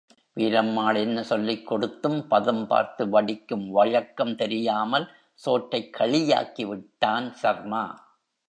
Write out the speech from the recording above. வீரம்மாள் என்ன சொல்லிக்கொடுத்தும், பதம் பார்த்து வடிக்கும் வழக்கம் தெரியாமல், சோற்றைக் களியாக்கிவிட்டான் சர்மா.